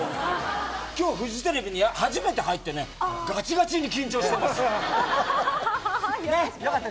今日フジテレビに初めて入ってがちがちに緊張してます。